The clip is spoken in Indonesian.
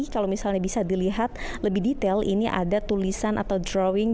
kalau misalnya bisa dilihat lebih detail ini ada tulisan atau drawing